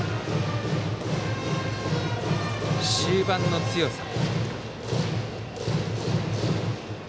終盤の強さ。